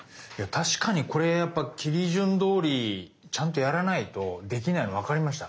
確かにこれ切り順どおりちゃんとやらないとできないの分かりました。